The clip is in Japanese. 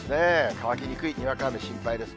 乾きにくい、にわか雨、心配です。